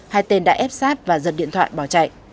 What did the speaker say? hai tên đã ép sát và giật điện thoại bỏ chạy